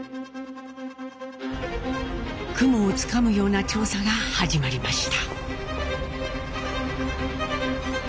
雲をつかむような調査が始まりました。